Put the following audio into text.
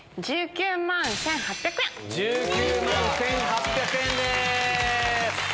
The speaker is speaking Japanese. １９万１８００円。